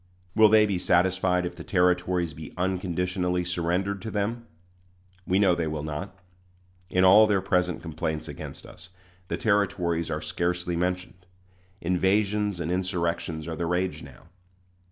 Will they be satisfied if the Territories be unconditionally surrendered to them? We know they will not. In all their present complaints against us, the Territories are scarcely mentioned. Invasions and insurrections are the rage now.